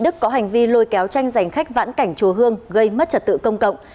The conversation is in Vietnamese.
đức có hành vi lôi kéo tranh giành khách vãn cảnh chùa hương gây mất trật tự công cộng